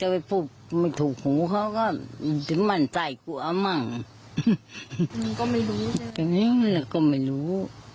อืมก็ไม่รู้แหละก็ไม่รู้